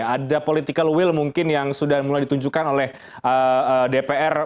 ada political will mungkin yang sudah mulai ditunjukkan oleh dpr